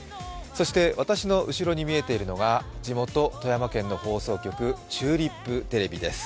そして私の後ろに見えているのが地元・富山県の放送局、チューリップテレビです。